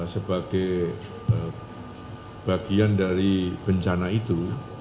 sebagai bagian dari bencana itu